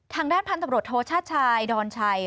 ทางด้านพันธุ์ตำรวจโทชาติชายดอนชัย